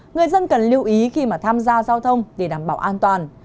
người dân cần lưu ý khi mà tham gia giao thông để đảm bảo an toàn